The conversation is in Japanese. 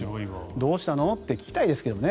どうしたの？って聞きたいですけどね。